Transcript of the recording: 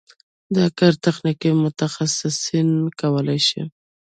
دا کار تخنیکي متخصصین کولی شي.